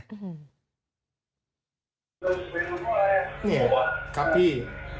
เอาไม่ได้เลยผมไม่เหนียวนะพี่